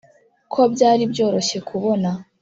ko byari byoroshye kubona.